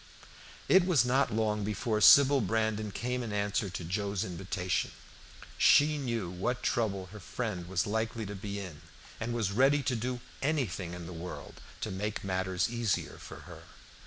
It was not long before Sybil Brandon came in answer to Joe's invitation. She knew what trouble her friend was likely to be in, and was ready to do anything in the world to make matters easier for her.